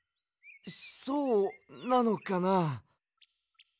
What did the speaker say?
そうなのかな。